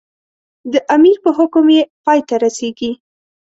د امیر په حکم یې پای ته رسېږي.